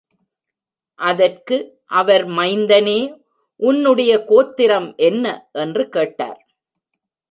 அதற்கு அவர், மைந்தனே, உன்னுடைய கோத்திரம் என்ன? என்று கேட்டார்.